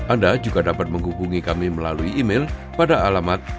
anda juga dapat menghubungi kami melalui email pada alamat